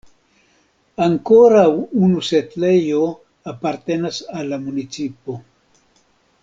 Ankoraŭ unu setlejo apartenas al la municipo.